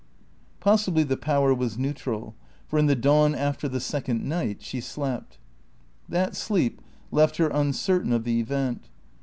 Possibly the Power was neutral; for in the dawn after the second night she slept. That sleep left her uncertain of the event.